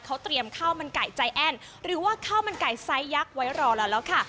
เขาเตรียมข้าวมันไก่ใจแอ้นหรือว่าข้าวมันไก่ไซสยักษ์ไว้รอแล้วค่ะ